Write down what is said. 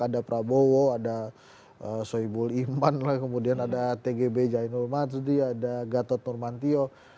ada prabowo ada soebul iman kemudian ada tgb jainul madsudi ada gatot nurmantio